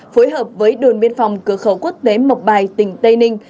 phối hợp với đồn biên phòng cửa khẩu quốc tế mộc bài tỉnh tây ninh